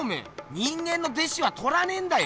人間の弟子はとらねぇんだよ。